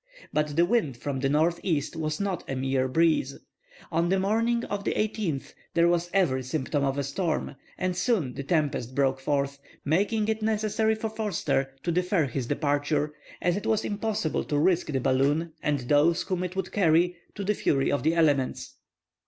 But the wind from the northeast was not a mere breeze. On the morning of the 18th there was every symptom of a storm, and soon the tempest broke forth, making it necessary for Forster to defer his departure, as it was impossible to risk the balloon and those whom it would carry, to the fury of the elements.